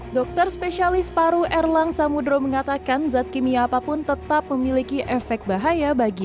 dokter spesialis paru erlang samudro mengatakan zat kimia apapun tetap memiliki efek bahaya bagi